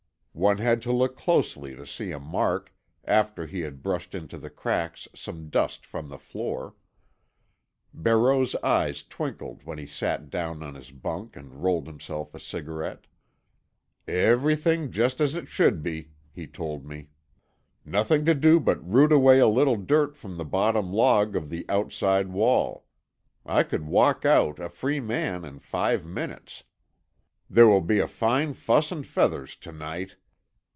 One had to look closely to see a mark, after he had brushed into the cracks some dust from the floor. Barreau's eyes twinkled when he sat down on his bunk and rolled himself a cigarette. "Everything just as it should be," he told me. "Nothing to do but root away a little dirt from the bottom log of the outside wall. I could walk out, a free man, in five minutes. There will be a fine fuss and feathers to night.